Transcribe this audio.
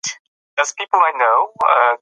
دا ليکنه د اصلاح غوښتنه کوي.